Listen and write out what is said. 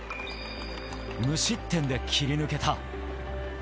無失点で切り抜けた。